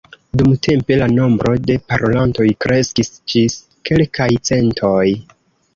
Dumtempe la nombro de parolantoj kreskis ĝis kelkaj centoj.